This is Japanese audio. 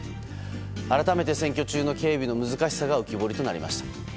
改めて選挙中の警備の難しさが浮き彫りとなりました。